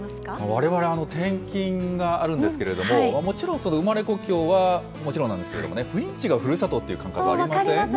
われわれ、転勤があるんですけれども、もちろん、生まれ故郷はもちろんなんですけどもね、赴任地がふるさとという感覚ありま分かります。